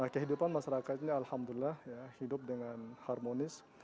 kehidupan masyarakat ini alhamdulillah hidup dengan harmonis